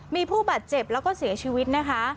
มีผู้บาดเจ็บแล้วก็เสียชีวิตนะคะ